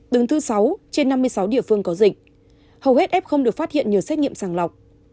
từ thứ sáu trên năm mươi sáu địa phương có dịch hầu hết ép không được phát hiện nhờ xét nghiệm sàng lọc